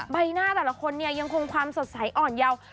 ใบหน้าแต่ละคนเนี่ยยังคงความสดใสอ่อนเยาว์